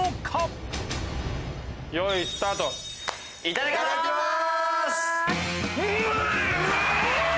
いただきます！